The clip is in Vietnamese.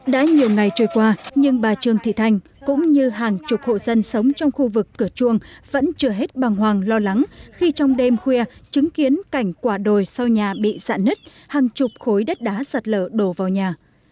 đã nhiều ngày trôi qua nhưng bà trương thị thanh cũng như hàng chục hộ dân sống trong khu vực cửa chuông vẫn chưa hết bằng hoàng lo lắng khi trong đêm khuya chứng kiến cảnh quả đồi sau nhà bị sạn nứt hàng chục khối đất đá sạt lở đổ vào nhà